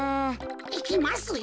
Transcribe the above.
いきますよ。